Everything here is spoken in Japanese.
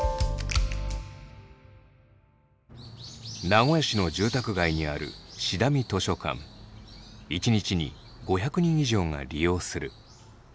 名古屋市の住宅街にある１日に５００人以上が利用する。